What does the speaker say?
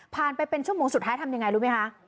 ไปเป็นชั่วโมงสุดท้ายทำยังไงรู้ไหมคะ